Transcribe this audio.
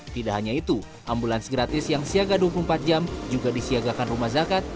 tidak hanya itu ambulans gratis yang siaga dua puluh empat jam juga disiagakan rumah zakat